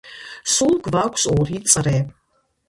სულ გვაქვს ორი წრე.